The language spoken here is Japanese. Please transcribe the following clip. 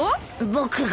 僕が？